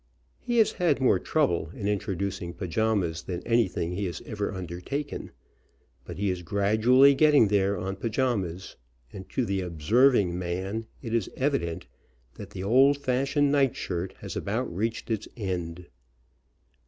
He has had more trouble in introducing pajamas than anything he has ever undertaken, but he is gradually getting there on pajamas, and to the observing.jnan it is evident that the old fashioned night shirt has about reached its end.